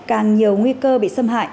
càng nhiều nguy cơ bị xâm hại